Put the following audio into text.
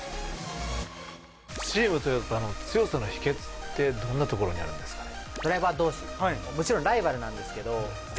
チームトヨタの強さの秘訣ってどんなところにあるんですかね？